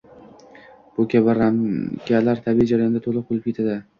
Bu kabi ramkalar tabiiy jarayonda yoʻq boʻlib ketadi.